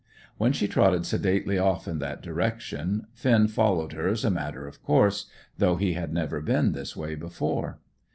When she trotted sedately off in that direction Finn followed her as a matter of course, though he had never been this way before.